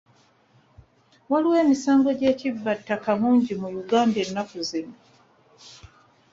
Waliwo emisango gy'ekibba ttaka mungi mu Uganda ennaku zino.